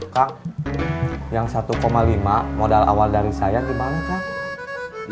kak yang satu lima modal awal dari saya gimana kak